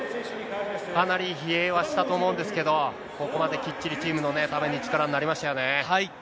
かなり疲弊はしたと思うんですけど、ここまできっちりチームのために力になりましたよね。